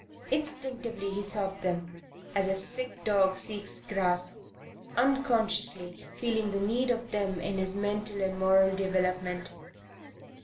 Instinctively he sought them, as a sick dog seeks grass, unconsciously feeling the need of them in his mental and moral development.